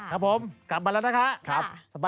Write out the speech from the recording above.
ครับผมกลับมาแล้วนะคะ